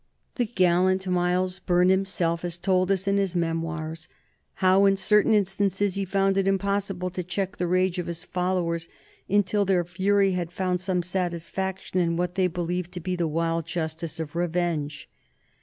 The gallant Miles Byrne himself has told us in his memoirs how in certain instances he found it impossible to check the rage of his followers until their fury had found some satisfaction in what they believed to be the wild justice of revenge.